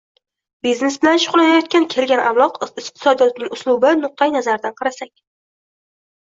Biznes bilan shugʻullanayotgan kelgan avlod iqtisodiyotning uslubi, nuqatai nazaridan qarasak